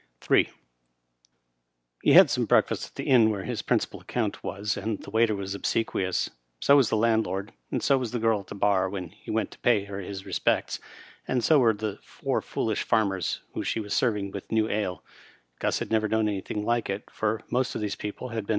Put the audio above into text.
m. He had some breakfast at the inn where his principal account was, and the waiter was obsequious. So was the landlord, and so was the girl in the bar, when he went to pay her his respects, and so were the four foolish farmers whom she was servii^ with new ale. Gus had never known anything like it, for most of these people had been.